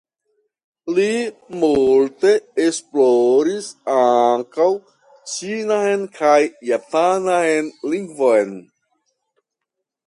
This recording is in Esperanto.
Li multe esploris ankaŭ ĉinan kaj japanan lingvojn.